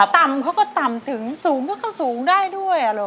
ต่ำเขาก็ต่ำถึงสูงก็สูงได้ด้วย